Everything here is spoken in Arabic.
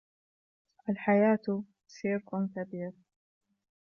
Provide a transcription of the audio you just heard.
الحياة سيرك كبير.